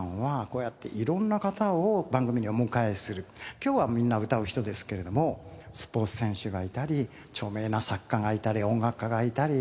今日はみんな歌う人ですけれどもスポーツ選手がいたり著名な作家がいたり音楽家がいたり。